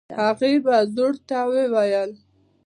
هغې په زوټه وويل.